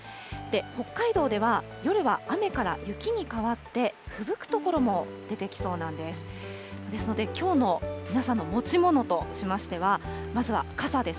北海道では夜は雨から雪に変わって、ふぶく所も出てきそうなんです。